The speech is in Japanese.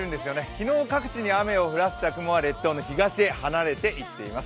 昨日各地に雨を降らせた雲は列島の東に移動しています。